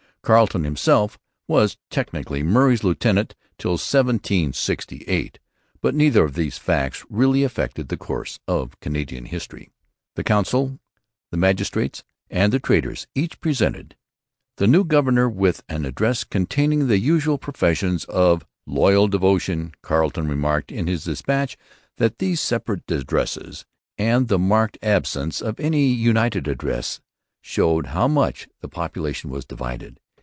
Carleton himself was technically Murray's lieutenant till 1768. But neither of these facts really affected the course of Canadian history. The Council, the magistrates, and the traders each presented. the new governor with an address containing the usual professions of loyal devotion. Carleton remarked in his dispatch that these separate addresses, and the marked absence of any united address, showed how much the population was divided.